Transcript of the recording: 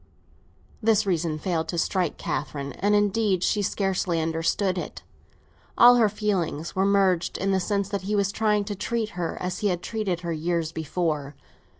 This reason failed to strike Catherine; and indeed she scarcely understood it. All her feelings were merged in the sense that he was trying to treat her as he had treated her years before.